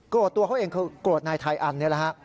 โกรธตัวเขาเองก็โกรธนายไทยอันเนี่ยแหละ